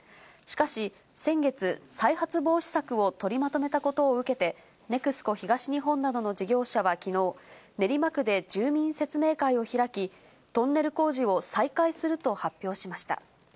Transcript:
しかし先月、再発防止策を取りまとめたことを受けて、ＮＥＸＣＯ東日本などの事業者はきのう、練馬区で住民説明会を開き、トンネル工事を再開すると発表しました。